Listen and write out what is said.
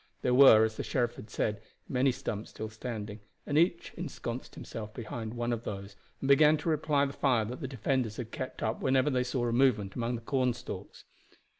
There were, as the sheriff had said, many stumps still standing, and each ensconced himself behind one of those, and began to reply to the fire that the defenders had kept up whenever they saw a movement among the corn stalks.